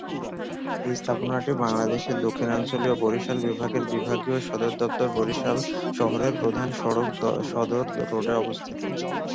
এই স্থাপনাটি বাংলাদেশের দক্ষিণাঞ্চলীয় বরিশাল বিভাগের বিভাগীয় সদরদপ্তর বরিশাল শহরের প্রধান সড়ক সদর রোডে অবস্থিত।